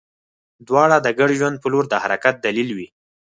دواړه د ګډ ژوند په لور د حرکت دلایل وي.